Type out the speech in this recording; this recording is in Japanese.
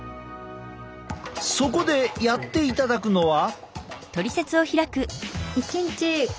そこでやっていただくのは。